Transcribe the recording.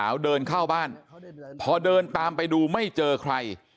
เดินเข้าบ้านพอเดินตามไปดูไม่เจอใคร